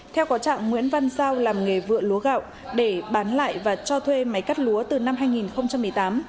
theo có trạng nguyễn văn giao làm nghề vựa lúa gạo để bán lại và cho thuê máy cắt lúa từ năm hai nghìn một mươi tám